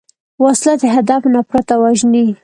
وسله د هدف نه پرته وژني